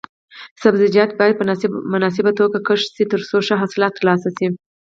سبزیجات باید په مناسبه توګه کښت شي ترڅو ښه حاصل ترلاسه شي.